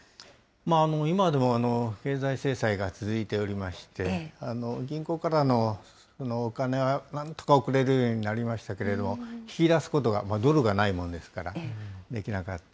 今でも経済制裁が続いておりまして、銀行からのお金はなんとか送れるようになりましたけれども、引き出すことが、ドルがないものですから、できなかった。